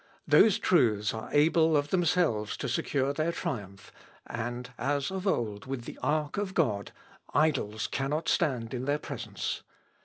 Those truths are able of themselves to secure their triumph, and as of old with the ark of God, idols cannot stand in their presence.